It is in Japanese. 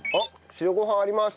「白ご飯あります」。